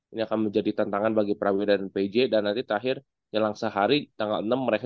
ini akan menjadi tantangan bagi prawira dan pj dan nanti terakhir jelang sehari tanggal enam mereka